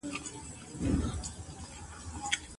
هغه وویل چي ګونګی سړی د ږیري سره ډېري مڼې خوري.